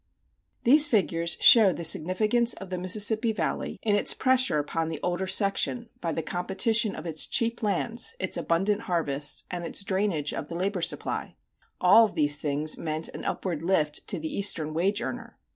These figures show the significance of the Mississippi Valley in its pressure upon the older section by the competition of its cheap lands, its abundant harvests, and its drainage of the labor supply. All of these things meant an upward lift to the Eastern wage earner.